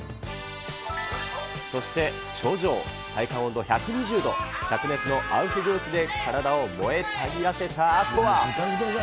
そして、頂上、体感温度１２０度、しゃく熱のアウフグースで体を燃えたぎらせたあとは。